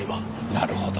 なるほど。